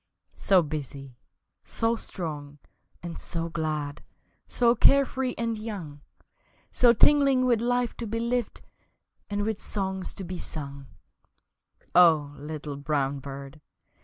So busy, so strong and so glad, So care free and young, So tingling with life to be lived And with songs to be sung, O little brown bird!